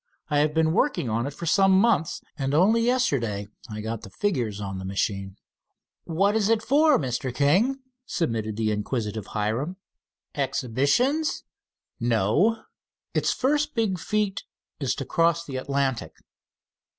I have been working on it for some months, and only yesterday I got figures on the machine." "What is it for, Mr. King?" submitted the inquisitive Hiram, "exhibitions?" "No. It's first big feat is to cross the Atlantic."